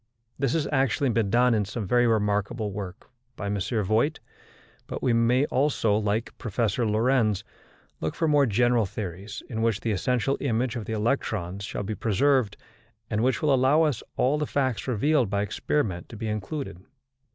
This has actually been done in some very remarkable work by M. Voigt, but we may also, like Professor Lorentz, look for more general theories, in which the essential image of the electrons shall be preserved, and which will allow all the facts revealed by experiment to be included.